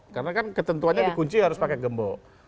karena kan ketentuannya dikunci harus pakai gembok